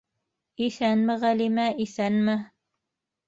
- Иҫәнме, Ғәлимә, иҫәнме.